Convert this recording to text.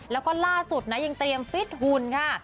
แล้วก็ล่าสุดนะยังเตรียมฟิตหุ่นค่ะ